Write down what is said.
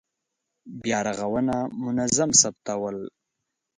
بیا رغونه منظم ثبتول.